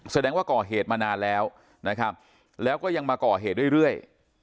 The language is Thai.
แสดงว่าก่อเหตุมานานแล้วนะครับแล้วก็ยังมาก่อเหตุเรื่อย